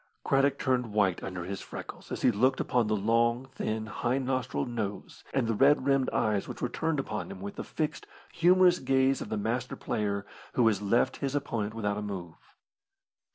Craddock turned white under his freckles as he looked upon the long, thin high nostrilled nose and the red rimmed eyes which were turned upon him with the fixed, humorous gaze of the master player who has left his opponent without a move.